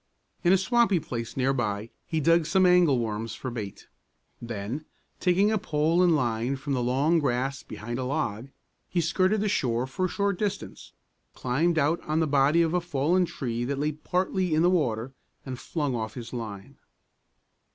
In a swampy place near by he dug some angle worms for bait. Then, taking a pole and line from the long grass behind a log, he skirted the shore for a short distance, climbed out on the body of a fallen tree that lay partly in the water, and flung off his line.